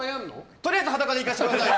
とりあえず裸でやらせてください。